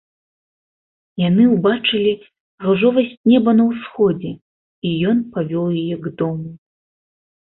Яны ўбачылі ружовасць неба на ўсходзе, і ён павёў яе к дому.